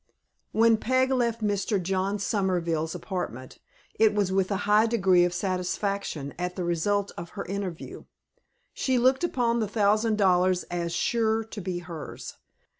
WHEN Peg left Mr. John Somerville's apartment, it was with a high degree of satisfaction at the result of her interview. She looked upon the thousand dollars as sure to be hers.